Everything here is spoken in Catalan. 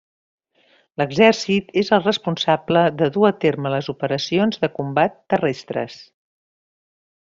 L'Exèrcit és el responsable de dur a terme les operacions de combat terrestres.